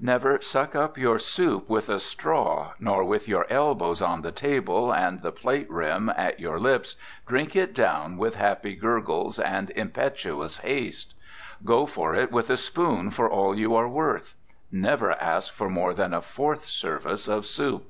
Never suck up your soup with a straw, nor, with your elbows on the table and the plate rim at your lips, drink it down with happy gurgles and impetuous haste. Go for it with a spoon for all you are worth. Never ask for more than a fourth service of soup.